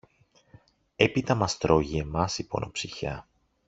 Έπειτα μας τρώγει εμάς η πονοψυχιά!